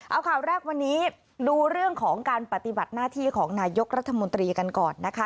เอาข่าวแรกวันนี้ดูเรื่องของการปฏิบัติหน้าที่ของนายกรัฐมนตรีกันก่อนนะคะ